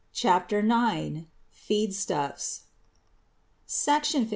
] CHAPTER IX FEED STUFFS SECTION LI.